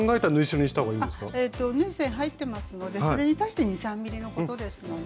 縫い線入ってますのでそれに足して２３ｍｍのことですので。